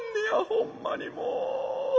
ほんまにもう。